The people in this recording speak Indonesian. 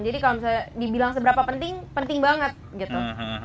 jadi kalo misalnya dibilang seberapa penting penting banget gitu